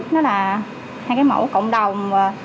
nó là hai mẫu cộng đồng